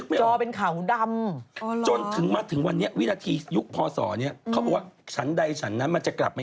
มมมุนไปแขมข้างเลยอย่างนี้หรือครับ